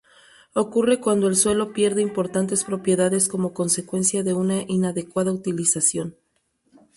Ocurre cuando el suelo pierde importantes propiedades como consecuencia de una inadecuada utilización.